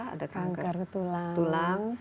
ada kanker tulang